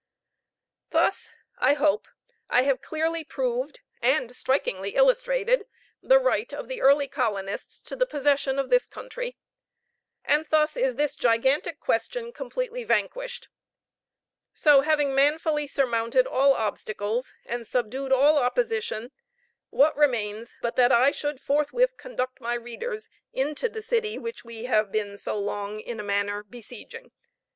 Thus, I hope, I have clearly proved, and strikingly illustrated, the right of the early colonists to the possession of this country; and thus is this gigantic question completely vanquished: so having manfully surmounted all obstacles, and subdued all opposition, what remains but that I should forthwith conduct my readers into the city which we have been so long in a manner besieging?